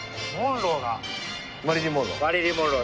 マリリン・モンロー。